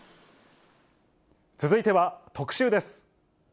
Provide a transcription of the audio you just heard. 続いては、特集です。